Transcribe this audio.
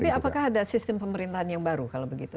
tapi apakah ada sistem pemerintahan yang baru kalau begitu